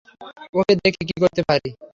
ওকে, দেখি কি করতে পারি।